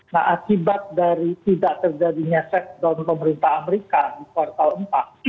nah akibat dari tidak terjadinya setdown pemerintah amerika di kuartal empat